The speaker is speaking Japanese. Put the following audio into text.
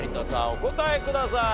お答えください。